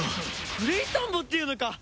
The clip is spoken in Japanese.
グレイトンボっていうのか！